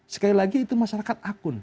sekali lagi itu masyarakat akun